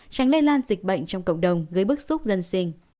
tránh lây lan dịch bệnh trong cộng đồng gây bức xúc dân sinh